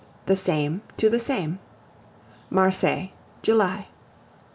THE SAME TO THE SAME MARSEILLES, July.